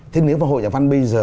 thế nếu mà hội nhà văn bây giờ